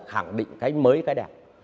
khẳng định cái mới cái đẹp